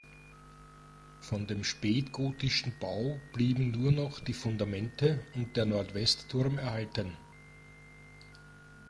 Von dem spätgotischen Bau blieben nur noch die Fundamente und der Nordwestturm erhalten.